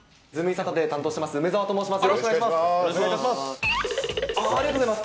サタデー担当してます梅澤と申します。